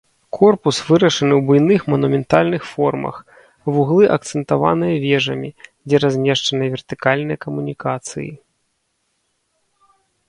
Корпус вырашаны ў буйных манументальных формах, вуглы акцэнтаваныя вежамі, дзе размешчаныя вертыкальныя камунікацыі.